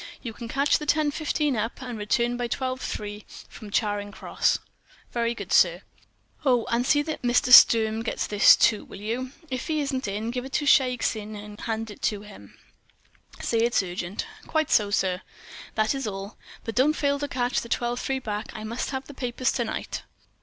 You can catch the ten fifteen up, and return by the twelve three from Charing Cross." "Very good, sir." "Oh—and see that Mr. Sturm gets this, too, will you? If he isn't in, give it to Shaik Tsin to hand to him. Say it's urgent." "Quite so, sir." "That is all. But don't fail to catch the twelve three back. I must have the papers to night."